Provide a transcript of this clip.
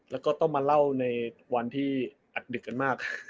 แล้วก็ต้องมาเล่าในวันที่อัดดึกกันมาก